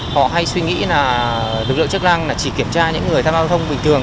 họ hay suy nghĩ là lực lượng chức năng chỉ kiểm tra những người tham gia giao thông bình thường